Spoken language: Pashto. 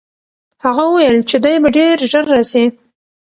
هغه وویل چې دی به ډېر ژر راسي.